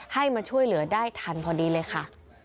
ให้มาช่วยเหลือได้ทันพอดีเลยค่ะ